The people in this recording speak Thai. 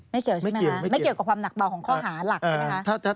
เกี่ยวใช่ไหมคะไม่เกี่ยวกับความหนักเบาของข้อหาหลักใช่ไหมคะ